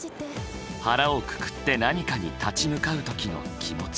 腹をくくって何かに立ち向かう時の気持ち。